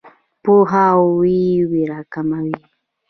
پوهاوی ویره کموي.